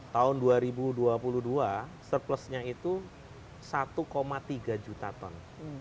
tahun dua ribu dua puluh dua surplusnya itu satu tiga juta ton